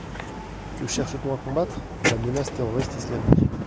Que cherche-t-on à combattre ? La menace terroriste islamique.